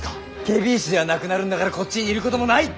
検非違使ではなくなるんだからこっちにいることもない！